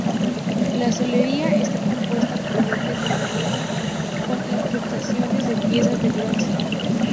La solería está compuesta por bloques de granito con incrustaciones de piezas de bronce.